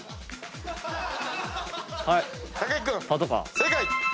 正解！